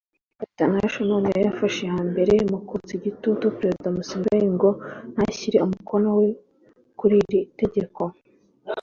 Amnesty International niyo yafashe iya mbere mu kotsa igitutu Perezida Museveni ngo ntashyire umukono we kuri iri tegeko